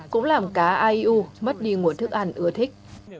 cũng làm cá aiu mất đi nguồn thức ăn ưu tiên